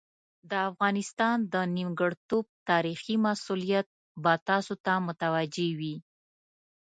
د افغانستان د نیمګړتوب تاریخي مسوولیت به تاسو ته متوجه وي.